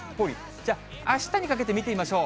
じゃああしたにかけて見てみましょう。